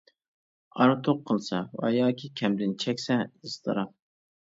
ئارتۇق قىلسا ۋە ياكى، كەمدىن چەكسە ئىزتىراپ.